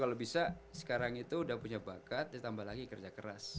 kalau bisa sekarang itu udah punya bakat ya tambah lagi kerja keras